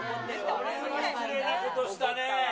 これは失礼なことしたね。